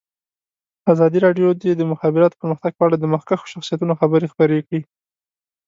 ازادي راډیو د د مخابراتو پرمختګ په اړه د مخکښو شخصیتونو خبرې خپرې کړي.